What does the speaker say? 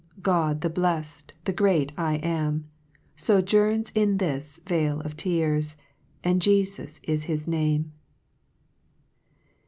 God, the bleil, the great 1 AM, Sojourns in this vale of tears, And Jefus is his Name.